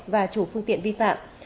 và chủ phương tiện vi phạm